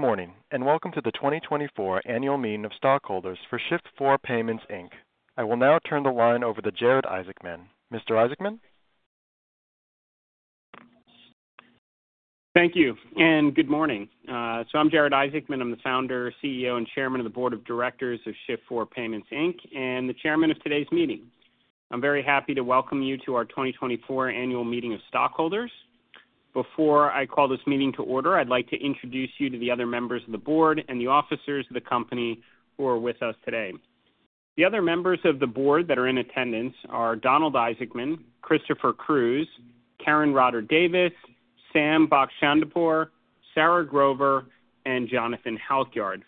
Good morning, and welcome to the 2024 Annual Meeting of Stockholders for Shift4 Payments, Inc. I will now turn the line over to Jared Isaacman. Mr. Isaacman? Thank you, and good morning. So I'm Jared Isaacman. I'm the founder, CEO, and chairman of the board of directors of Shift4 Payments, Inc., and the chairman of today's meeting. I'm very happy to welcome you to our 2024 annual meeting of stockholders. Before I call this meeting to order, I'd like to introduce you to the other members of the board and the officers of the company who are with us today. The other members of the board that are in attendance are Donald Isaacman, Christopher Cruz, Karen Roter Davis, Sam Bakhshandehpour, Sarah Grover, and Jonathan Halkyard.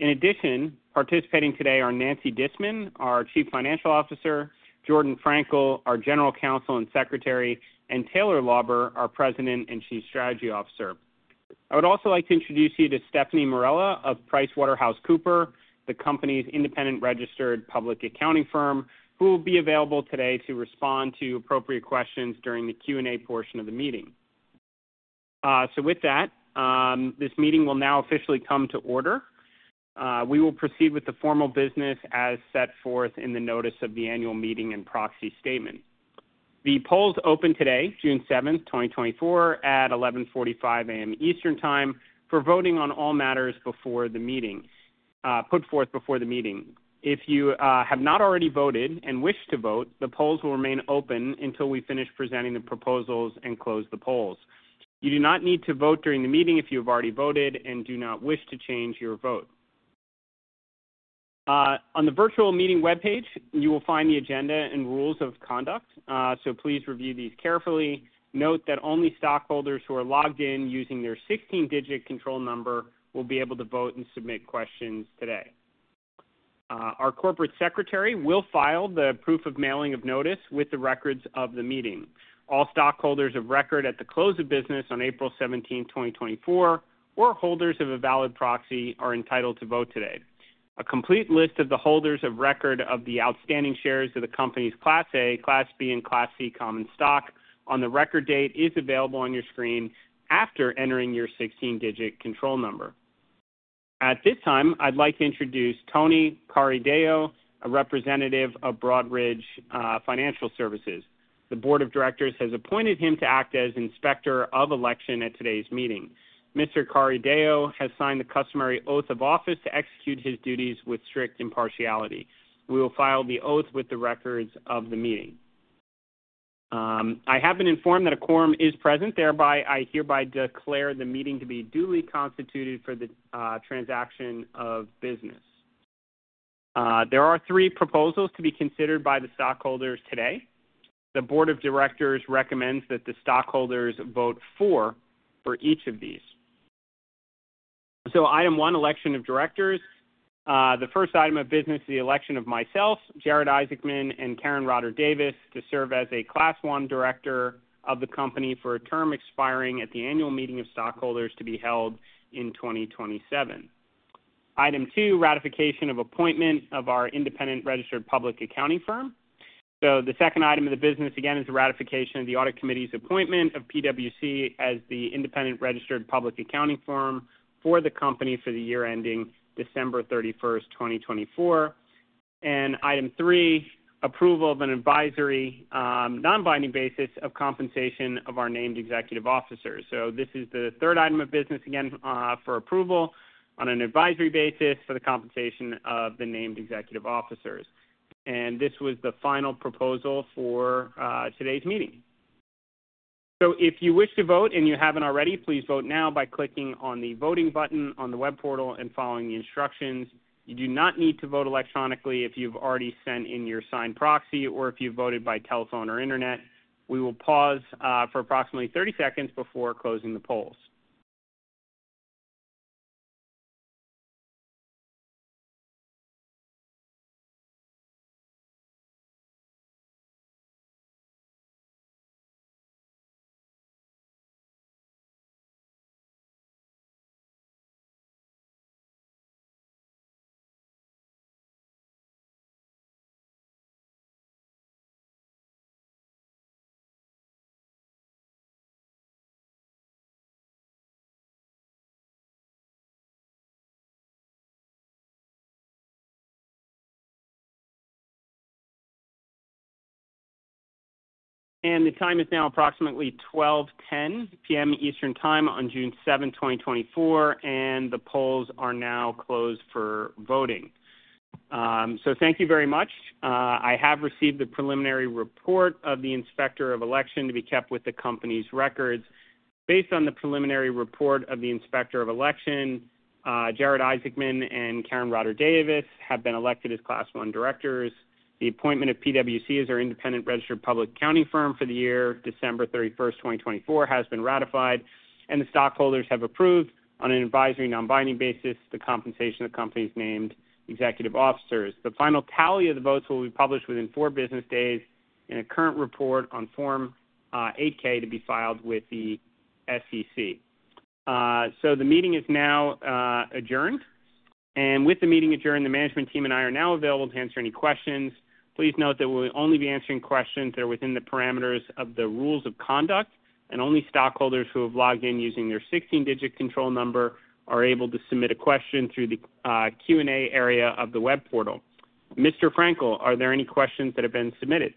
In addition, participating today are Nancy Disman, our Chief Financial Officer, Jordan Frankel, our General Counsel and Secretary, and Taylor Lauber, our President and Chief Strategy Officer. I would also like to introduce you to Stephanie Marella of PricewaterhouseCoopers, the company's independent registered public accounting firm, who will be available today to respond to appropriate questions during the Q&A portion of the meeting. So with that, this meeting will now officially come to order. We will proceed with the formal business as set forth in the notice of the annual meeting and proxy statement. The polls opened today, June 7th, 2024, at 11:45 A.M. Eastern Time for voting on all matters before the meeting, put forth before the meeting. If you have not already voted and wish to vote, the polls will remain open until we finish presenting the proposals and close the polls. You do not need to vote during the meeting if you have already voted and do not wish to change your vote. On the virtual meeting webpage, you will find the agenda and rules of conduct, so please review these carefully. Note that only stockholders who are logged in using their 16-digit control number will be able to vote and submit questions today. Our corporate secretary will file the proof of mailing of notice with the records of the meeting. All stockholders of record at the close of business on April 17, 2024, or holders of a valid proxy, are entitled to vote today. A complete list of the holders of record of the outstanding shares of the company's Class A, Class B, and Class C common stock on the record date is available on your screen after entering your 16-digit control number. At this time, I'd like to introduce Tony Carideo, a representative of Broadridge Financial Services. The board of directors has appointed him to act as Inspector of Election at today's meeting. Mr. Carideo has signed the customary oath of office to execute his duties with strict impartiality. We will file the oath with the records of the meeting. I have been informed that a quorum is present. Thereby, I hereby declare the meeting to be duly constituted for the transaction of business. There are three proposals to be considered by the stockholders today. The board of directors recommends that the stockholders vote for each of these. So item one, election of directors. The first item of business, the election of myself, Jared Isaacman, and Karen Roter Davis, to serve as a Class One director of the company for a term expiring at the annual meeting of stockholders to be held in 2027. Item two, ratification of appointment of our independent registered public accounting firm. So the second item of the business, again, is the ratification of the audit committee's appointment of PwC as the independent registered public accounting firm for the company for the year ending December 31, 2024. And item three, approval of an advisory, non-binding basis of compensation of our named executive officers. So this is the third item of business, again, for approval on an advisory basis for the compensation of the named executive officers. And this was the final proposal for, today's meeting. So if you wish to vote and you haven't already, please vote now by clicking on the voting button on the web portal and following the instructions. You do not need to vote electronically if you've already sent in your signed proxy or if you voted by telephone or internet. We will pause for approximately 30 seconds before closing the polls. The time is now approximately 12:10 P.M. Eastern Time on June 7, 2024, and the polls are now closed for voting. So thank you very much. I have received the preliminary report of the Inspector of Election to be kept with the company's records. Based on the preliminary report of the Inspector of Election, Jared Isaacman and Karen Roter Davis have been elected as Class One directors. The appointment of PwC as our independent registered public accounting firm for the year December 31, 2024, has been ratified, and the stockholders have approved, on an advisory non-binding basis, the compensation of companies named executive officers. The final tally of the votes will be published within four business days in a current report on Form 8-K, to be filed with the SEC. So the meeting is now adjourned, and with the meeting adjourned, the management team and I are now available to answer any questions. Please note that we'll only be answering questions that are within the parameters of the rules of conduct, and only stockholders who have logged in using their 16-digit control number are able to submit a question through the Q&A area of the web portal. Mr. Frankel, are there any questions that have been submitted?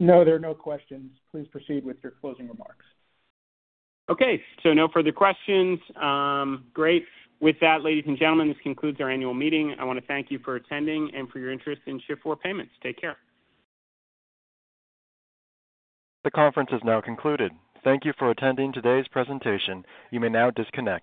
No, there are no questions. Please proceed with your closing remarks. Okay, so no further questions. Great. With that, ladies and gentlemen, this concludes our annual meeting. I wanna thank you for attending and for your interest in Shift4 Payments. Take care. The conference is now concluded. Thank you for attending today's presentation. You may now disconnect.